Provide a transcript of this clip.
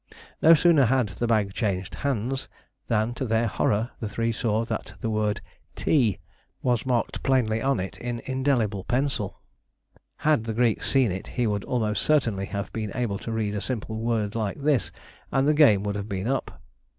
No sooner had the bag changed hands than to their horror the three saw that the word TEA was marked plainly on it in indelible pencil. Had the Greek seen it, he would almost certainly have been able to read a simple word like this, and the game would have been up.